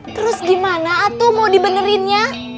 terus gimana ato mau dibenerinnya